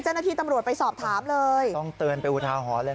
เจ้าหน้าที่ตำรวจไปสอบถามเลยต้องเตือนไปอุทาหรณ์เลย